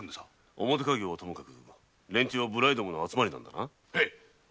表稼業はともかく連中は無頼者の集まりなのだな？